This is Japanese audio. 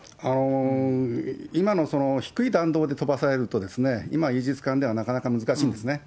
今の低い弾道で飛ばされると今イージス艦ではなかなか難しいんですね。